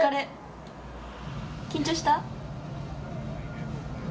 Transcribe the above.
緊張した？